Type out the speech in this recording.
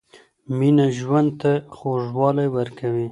مینه ژوند ته خوږوالی ورکوي